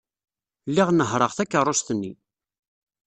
Lliɣ nehhṛeɣ takeṛṛust-nni.